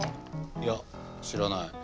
いや知らない。